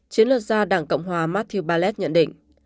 chiến lược gia đảng cộng hòa matthew ballett nhận định